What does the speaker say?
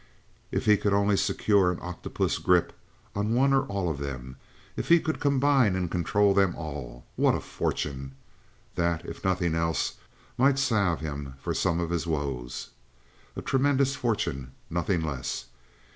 If he could only secure an octopus grip on one or all of them; if he could combine and control them all! What a fortune! That, if nothing else, might salve him for some of his woes—a tremendous fortune—nothing less.